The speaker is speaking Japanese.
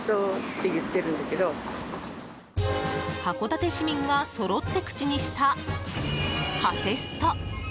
函館市民がそろって口にしたハセスト。